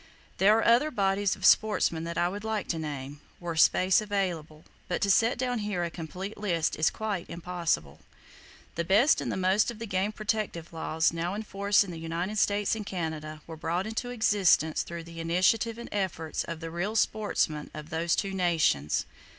There are other bodies of sportsmen that I would like to name, were space available, but to set down here a complete list is quite impossible. The best and the most of the game protective laws now in force in the United States and Canada were brought into existence through the initiative and efforts of the real sportsmen of those two nations.